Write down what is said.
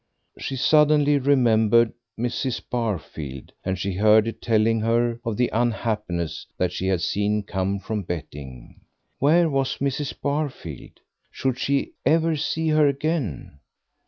She suddenly remembered Mrs. Barfield, and she heard her telling her of the unhappiness that she had seen come from betting. Where was Mrs. Barfield? Should she ever see her again?